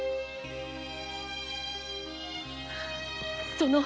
その方。